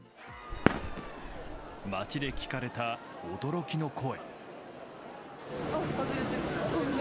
街で聞かれた驚きの声。